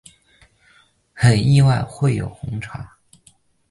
很意外会有红茶